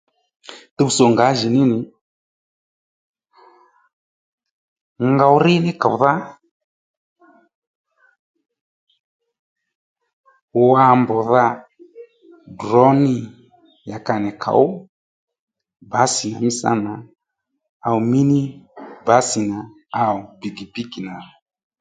Tuwtsò ngǎjìní nì, ngow rí ní kòwdha, wa mbdha drǒ nî ya ka nì kǒw bǎsì mí sǎnà áẁ míni bǎsì áw pìkìpíkì nà